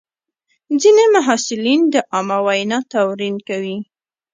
ځینې محصلین د عامه وینا تمرین کوي.